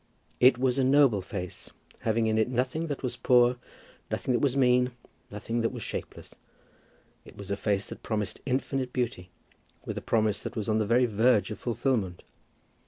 It was a noble face, having in it nothing that was poor, nothing that was mean, nothing that was shapeless. It was a face that promised infinite beauty, with a promise that was on the very verge of fulfilment.